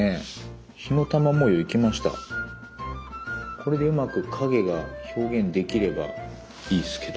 これでうまく影が表現できればいいっすけど。